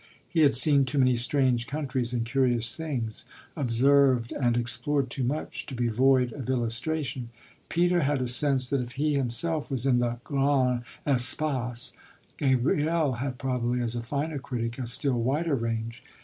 He had seen too many strange countries and curious things, observed and explored too much, to be void of illustration. Peter had a sense that if he himself was in the grandes espaces Gabriel had probably, as a finer critic, a still wider range.